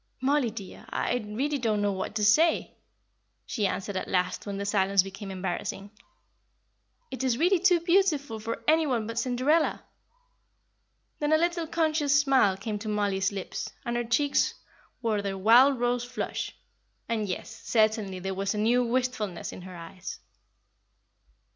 "Mollie, dear, I really don't know what to say," she answered, at last, when the silence became embarrassing. "It is really too beautiful for any one but Cinderella." Then a little conscious smile came to Mollie's lips, and her cheeks wore their wild rose flush; and yes, certainly, there was a new wistfulness in her eyes.